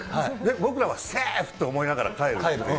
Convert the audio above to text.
僕らはセーフって思いながら帰る。